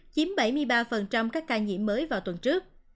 chiếm bảy mươi ba các ca nhiễm mới vào tuần trước